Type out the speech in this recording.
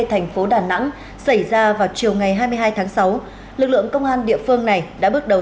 thành phố đà nẵng xảy ra vào chiều ngày hai mươi hai tháng sáu lực lượng công an địa phương này đã bước đầu